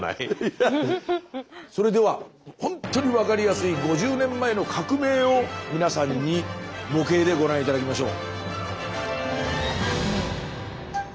それではほんとに分かりやすい５０年前の革命を皆さんに模型でご覧頂きましょう。